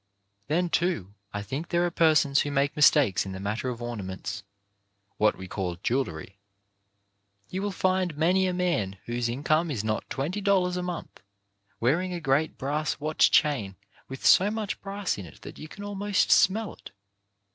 Then, too, I think there are persons who make mistakes in the matter of ornaments — what we call jewellery. You will find many a man whose, income is not twenty dollars a month wearing a great brass watch chain with so much brass in it that you can almost smell it.